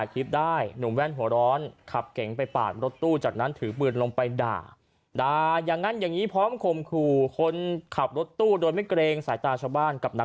สุดท้ายเขาเป็นยังไงไปชมครับ